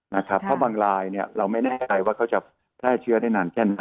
เพราะบางรายเราไม่แน่ใจว่าเขาจะแพร่เชื้อได้นานแค่ไหน